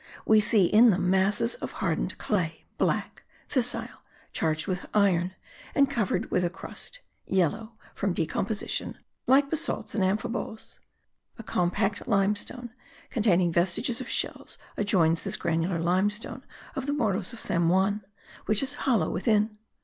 We see in them masses of hardened clay, black, fissile, charged with iron, and covered with a crust, yellow from decomposition, like basalts and amphiboles. A compact limestone containing vestiges of shells adjoins this granular limestone of the Morros of San Juan which is hollow within.